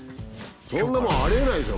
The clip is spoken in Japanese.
そんなもんありえないでしょ